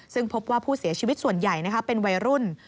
ซึ่งพบว่าผู้เสียชีวิตส่วนใหญ่เป็นวัยรุ่น